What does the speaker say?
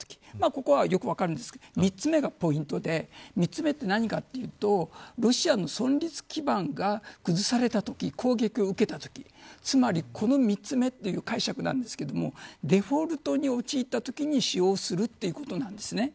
ここは、よく分かるんですが３つ目がポイントで３つ目はロシアの存立基盤が崩されたとき攻撃を受けたとき、つまりこの３つ目という解釈なんですがデフォルトに陥ったときに使用するということなんです。